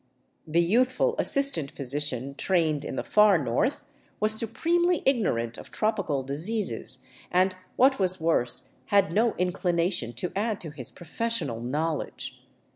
The youthful assistant physician, trained in the far north, was supremely ignorant of tropical diseases, and, what was worse, had no inclination to add to his professional knowledge.